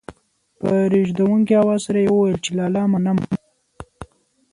په رېږېدونکي اواز سره يې وويل چې لالا منم.